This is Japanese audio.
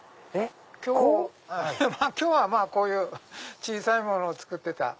今日はこういう小さいものを作ってた。